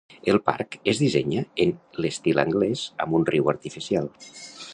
El parc es dissenya en l'estil anglès amb un riu artificial.